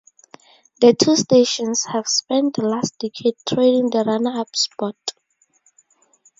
The two stations have spent the last decade trading the runner-up spot.